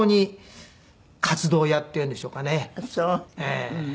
ええ。